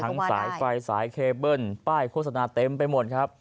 สายไฟสายเคเบิ้ลป้ายโฆษณาเต็มไปหมดครับ